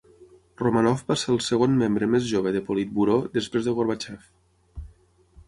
Romanov va ser el segon membre més jove de Politburó després de Gorbachev.